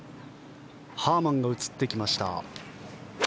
ハーマンが映ってきました。